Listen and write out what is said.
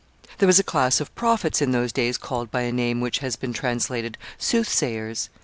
] There was a class of prophets in those days called by a name which has been translated soothsayers.